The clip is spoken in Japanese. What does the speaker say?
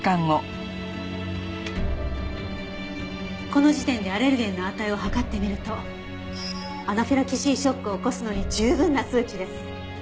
この時点でアレルゲンの値を測ってみるとアナフィラキシーショックを起こすのに十分な数値です。